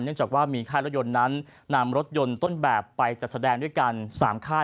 จากว่ามีค่ายรถยนต์นั้นนำรถยนต์ต้นแบบไปจัดแสดงด้วยกัน๓ค่าย